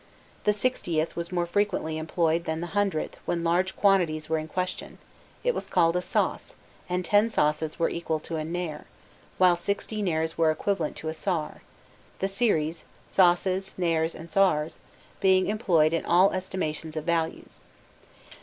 The sixtieth was more frequently employed than the hundredth when large quantities were in question: it was called a "soss," and ten sosses were equal to a "ner," while sixty ners were equivalent to a "sar;" the series, sosses, ners, and sars, being employed in all estimations of values.